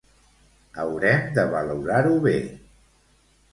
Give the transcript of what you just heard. Haurem de valorar-ho bé